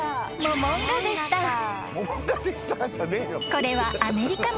［これは］